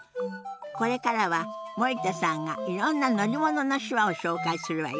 これからは森田さんがいろんな乗り物の手話を紹介するわよ。